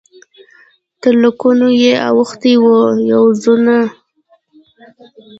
تر لکونو یې اوښتي وه پوځونه